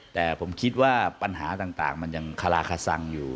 แต่ผมคิดว่าปัญหาต่างมันยังคลาคสังอยู่